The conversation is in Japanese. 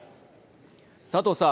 佐藤さん。